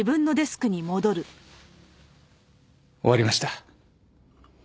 終わりました。